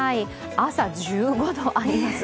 朝１５度あります。